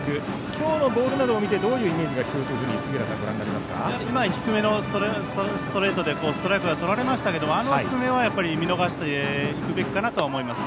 今日のボールなどを見てどういうイメージが必要と杉浦さんはご覧になりますか？低めのストレートでストライクはとられましたけどあの球は見逃していくべきかと思います。